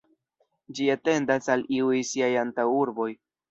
Ĝi etendas al iuj siaj antaŭurboj.